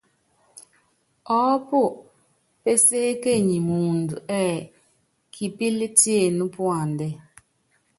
Ɔɔ́pu péséékenyi muundɔ ɛ́ɛ́: Kipílɛ́ tiené puandɛ́.